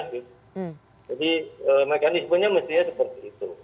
jadi mekanismenya mestinya seperti itu